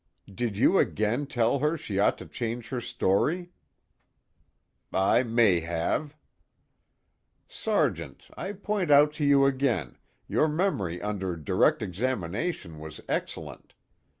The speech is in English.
"Did you again tell her she ought to change her story?" "I may have." "Sergeant, I point out to you again, your memory under direct examination was excellent.